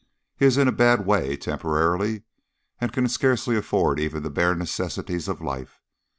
He is in a bad way, temporarily, and can scarcely afford even the bare necessities of life.